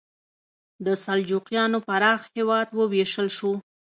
د سلجوقیانو پراخ هېواد وویشل شو.